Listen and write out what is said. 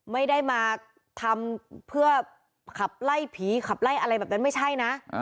ไม่ได้มาทำเพื่อขับไล่ผีขับไล่อะไรแบบนั้นไม่ใช่นะ